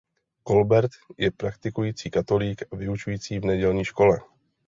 Colbert je praktikující katolík a vyučující v nedělní škole.